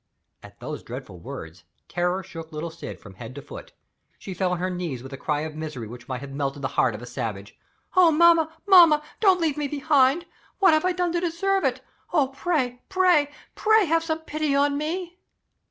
At those dreadful words, terror shook little Syd from head to foot. She fell on her knees with a cry of misery that might have melted the heart of a savage. "Oh, mamma, mamma, don't leave me behind! What have I done to deserve it? Oh, pray, pray, pray have some pity on me!"